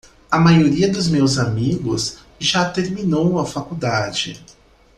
A maioria dos meus amigos já terminou a faculdade.